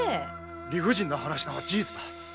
理不尽な話だが事実だ。